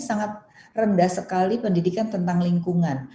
sangat rendah sekali pendidikan tentang lingkungan